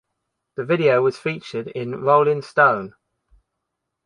The video was featured in "Rolling Stone".